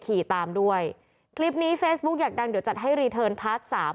ขี่ตามด้วยคลิปนี้เฟซบุ๊กอยากดังเดี๋ยวจัดให้รีเทิร์นพาร์ทสาม